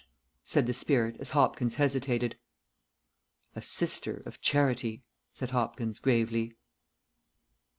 said the spirit as Hopkins hesitated. "A sister of charity," said Hopkins, gravely.